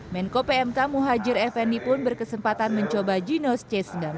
menko pmk muhajir effendi pun berkesempatan mencoba jinos c sembilan belas